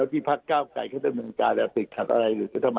ที่ผักก้าวไก